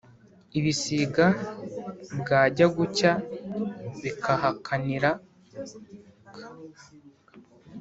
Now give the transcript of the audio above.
Ibisiga bwajya gucya bikahakanira,